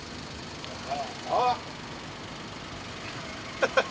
ハハハハ。